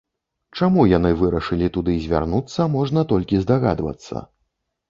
Чаму яны вырашылі туды звярнуцца, можна толькі здагадвацца.